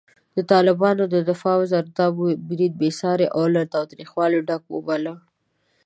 د طالبانو دفاع وزارت دا برید بېساری او له تاوتریخوالي ډک وباله.